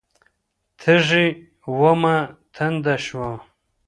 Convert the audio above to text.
تږې ومه، تنده شوم